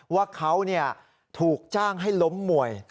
ว่าเขาถูกจ้างให้ล้มมวย